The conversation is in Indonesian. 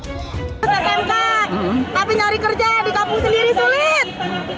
saya kentang tapi nyari kerja di kampung sendiri sulit